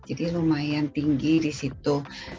lumayan tinggi di situ